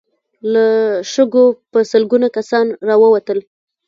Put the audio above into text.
له شګو په سلګونو کسان را ووتل.